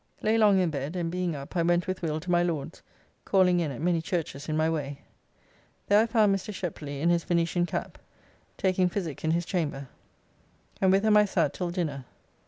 Lay long in bed, and being up, I went with Will to my Lord's, calling in at many churches in my way. There I found Mr. Shepley, in his Venetian cap, taking physique in his chamber, and with him I sat till dinner.